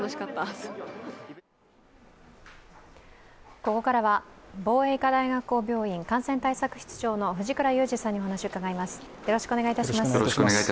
ここからは防衛医科大学校病院感染対策室長の藤倉雄二さんにお話を伺います。